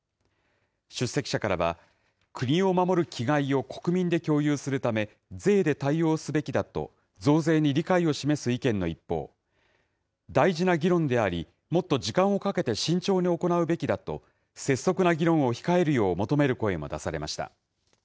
出席者からは、国を守る気概を国民で共有するため、税で対応すべきだと、増税に理解を示す意見の一方、大事な議論であり、もっと時間をかけて慎重に行うべきだと、拙速な議論を控えるよう求める声も出されました。